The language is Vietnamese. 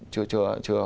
chưa chưa chưa